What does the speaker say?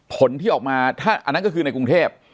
ผลที่ออกมาถ้าอันนั้นก็คือในกรุงเทพ